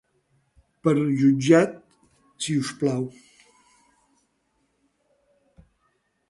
Per jutjat, si us plau.